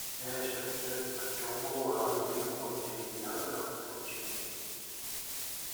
Ээ, сөп, сөп, оччоҕо булууһаҕын эмиэ угун, дэриэбинэҕэ ыалга сылдьыаҥ дии